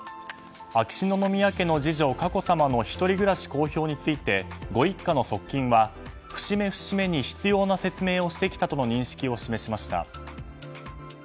秋篠宮家の次女・佳子さまの１人暮らし公表についてご一家の側近は、節目節目に必要な説明をしてきたとの認識を示しました。